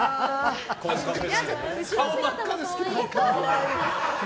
顔真っ赤ですけど。